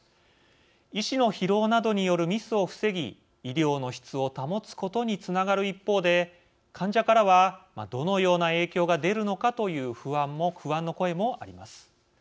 医師の疲労などによるミスを防ぎ医療の質を保つことにつながる一方で患者からはどのような影響が出るのかという不安の声もあります。